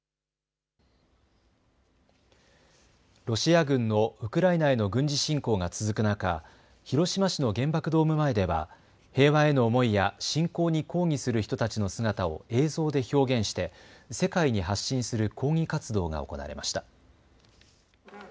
ロシア軍のウクライナへの軍事侵攻が続く中、広島市の原爆ドーム前では平和への思いや侵攻に抗議する人たちの姿を映像で表現して世界に発信する抗議活動が行われました。